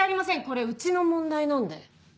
これうちの問題なんで。